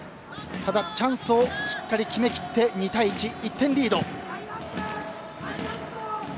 ただ、チャンスをしっかり決めきって２対１と１点リード。